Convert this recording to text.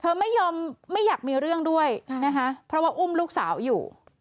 ไม่ยอมไม่อยากมีเรื่องด้วยนะคะเพราะว่าอุ้มลูกสาวอยู่